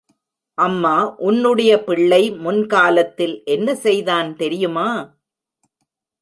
அம்மா உன்னுடைய பிள்ளை முன் காலத்தில் என்ன செய்தான் தெரியுமா?